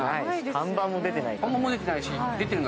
看板も出てないからね。